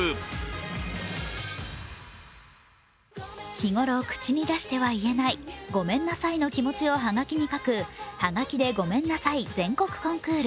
日頃、口に出しては言えないごめんなさいの気持ちをハガキに書く、ハガキでごめんなさい全国コンクール。